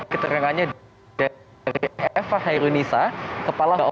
keterangannya dari eva hairunisa kepala oto